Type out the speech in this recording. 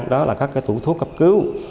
đó là các tủ thuốc cấp cứu